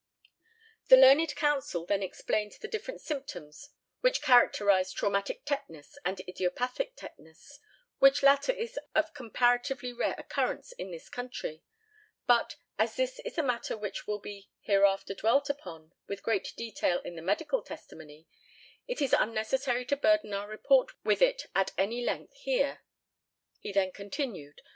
The learned counsel then explained the different symptoms which characterise traumatic tetanus and idiopathic tetanus, which latter is of comparatively rare occurrence in this country; but, as this is a matter which will be hereafter dwelt upon with great detail in the medical testimony, it is unnecessary to burden our report with it at any length here: (He then continued.)